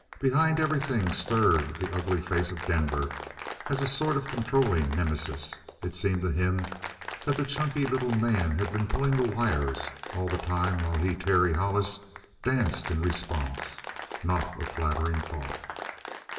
Behind everything stirred the ugly face of Denver as a sort of controlling nemesis. It seemed to him that the chunky little man had been pulling the wires all the time while he, Terry Hollis, danced in response. Not a flattering thought.